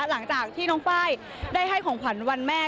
หลังจากที่น้องไฟล์ได้ให้ของขวัญวันแม่